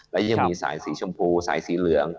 และยังมีสายสีชมพูสายสีเหลือง